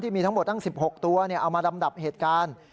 มีทั้งหมดทั้ง๑๖ตัวเอามาลำดับเหตุการณ์